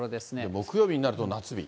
木曜日になると夏日。